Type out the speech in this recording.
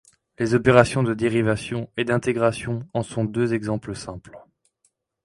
Les opérations de dérivation et d'intégration en sont deux exemples simples.